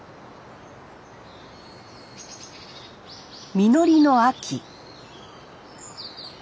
実りの秋